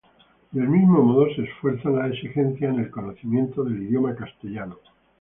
Del mismo modo, se refuerzan las exigencias en el conocimiento del idioma castellano.